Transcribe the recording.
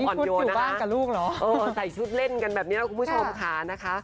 เดี๋ยวนี่พูดอยู่บ้างกับลูกเหรอเออใส่ชุดเล่นกันแบบนี้นะคุณผู้ชมค่ะ